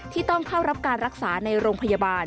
ต้องเข้ารับการรักษาในโรงพยาบาล